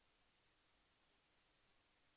โปรดติดตามต่อไป